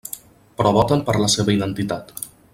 Però voten per la seva identitat.